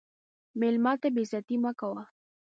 مېلمه ته بې عزتي مه کوه.